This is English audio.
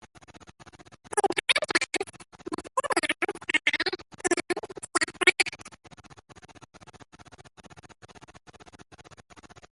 In contrast, the females are and jet-black.